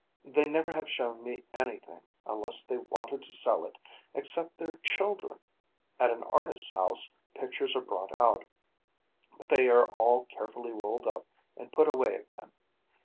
They never have shown me anything, unless they wanted to sell it, except their children. At an artist's house pictures are brought out; but they are all carefully rolled up and put away again.